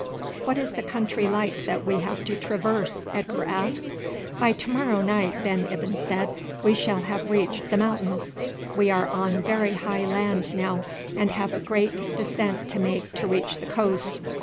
"What is the country like that we have to traverse?" Edgar asked. "By to morrow night," Ben Ibyn said, "we shall have reached the mountains. We are on very high land now, and have a great descent to make to reach the coast.